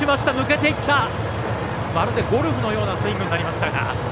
まるでゴルフのようなスイングになりましたが。